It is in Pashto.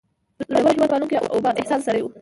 زړور، هیواد پالونکی او با احساسه سړی و.